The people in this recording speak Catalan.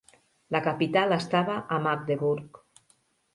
La capital estava a Magdeburg.